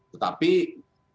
tetapi pertanahan itu